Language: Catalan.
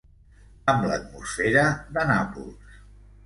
Amb l'atmosfera de Nàpols.